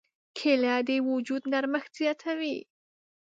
کېله د وجود نرمښت زیاتوي.